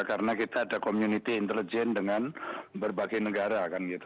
karena kita ada komunitas intelijen dengan berbagai negara